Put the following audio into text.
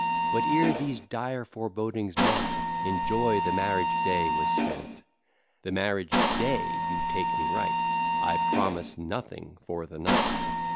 Whate'er these dire forebodings meant, In joy the marriage day was spent; The marriage day, you take me right, I promise nothing for the night.